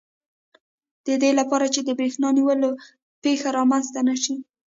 د دې لپاره چې د بریښنا نیولو پېښه رامنځته نه شي.